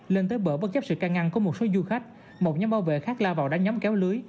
lên tới bờ bất chấp sự can ngăn của một số du khách một nhóm bảo vệ khác la vào đánh nhóm kéo lưới